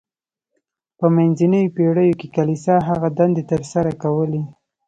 په منځنیو پیړیو کې کلیسا هغه دندې تر سره کولې.